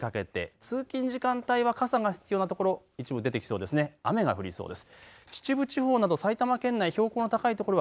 朝８時にかけて通勤時間帯は傘が必要なところ、一部出てきそうです。